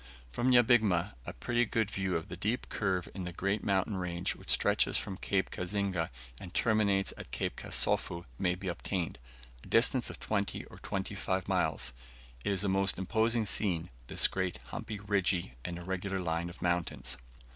From Nyabigma, a pretty good view of the deep curve in the great mountain range which stretches from Cape Kazinga and terminates at Cape Kasofu, may be obtained a distance of twenty or twenty five miles. It is a most imposing scene, this great humpy, ridgy, and irregular line of mountains.